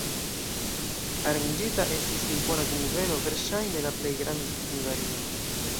Aranĝita estis impona kunveno, verŝajne la plej granda en Hungario.